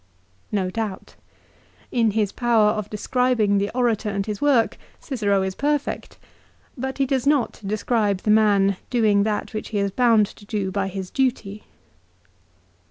4 No doubt ! In his power of describing the orator and his work Cicero is perfect ; but he does not describe the man doing that which he is bound to do by his duty.